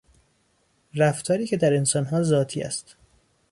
رفتاری که در انسانها ذاتی است